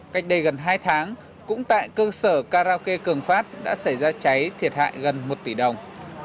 cách đây gần hai tháng cũng tại cơ sở karaoke cường phát đã xảy ra cháy thiệt hại gần một tỷ đồng